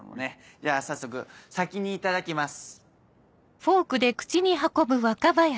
じゃあ早速先にいただきます。